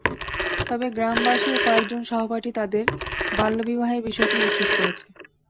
তবে গ্রামবাসী ও কয়েকজন সহপাঠী তাদের বাল্যবিবাহের বিষয়টি নিশ্চিত করেছে।